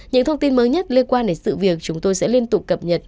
những thông tin mới nhất liên quan đến sự việc chúng tôi sẽ liên tục cập nhật